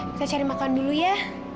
kita cari makan dulu ya